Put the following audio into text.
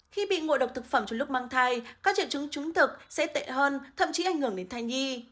khi bị ngộ độc thực phẩm trong lúc mang thai các triệu chứng trung thực sẽ tệ hơn thậm chí ảnh hưởng đến thai nhi